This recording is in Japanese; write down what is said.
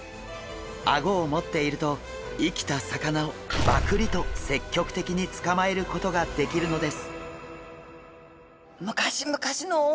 アゴを持っていると生きた魚をバクリと積極的に捕まえることができるのです。